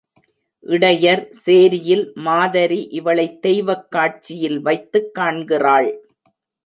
இடையர் சேரியில் மாதரி இவளைத் தெய்வக் காட்சியில் வைத்துக் காண்கிறாள்.